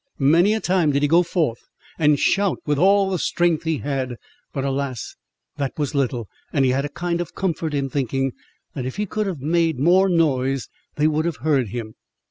Many a time did he go forth, and shout with all the strength he had; but, alas! that was little; and he had a kind of comfort in thinking, that if he could have made more noise, they would have heard him.